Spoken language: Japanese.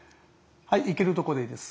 いけるとこでいいです。